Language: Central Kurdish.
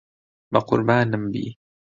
بەقوربانم بی.